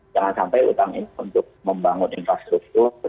jangan sampai utang ini untuk membangun infrastruktur